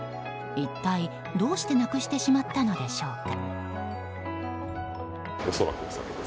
一体、どうしてなくしてしまったのでしょうか？